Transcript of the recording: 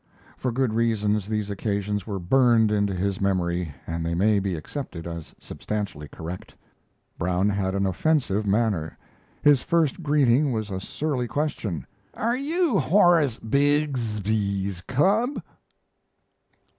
For good reasons these occasions were burned into his memory, and they may be accepted as substantially correct. Brown had an offensive manner. His first greeting was a surly question. "Are you Horace Bigsby's cub?"